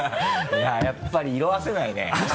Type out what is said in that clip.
いややっぱり色あせないね。